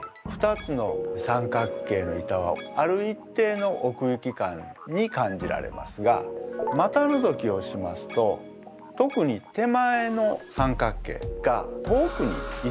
２つの三角形の板はある一定の奥行き感に感じられますが股のぞきをしますと特に手前の三角形が遠くに位置するように見えます。